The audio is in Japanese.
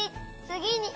「つぎに」